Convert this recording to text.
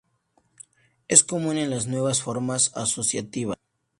Es común en las nuevas formas asociativas.